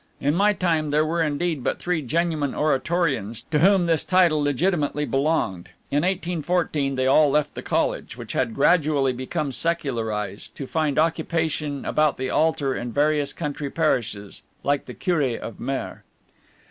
In my time there were indeed but three genuine Oratorians to whom this title legitimately belonged; in 1814 they all left the college, which had gradually become secularized, to find occupation about the altar in various country parishes, like the cure of Mer.